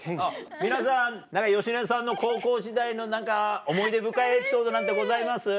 皆さん芳根さんの高校時代の何か思い出深いエピソードなんてございます？